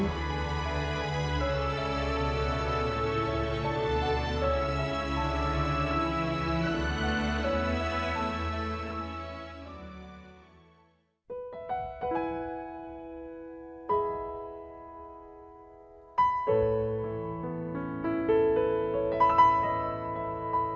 จริงนะครับ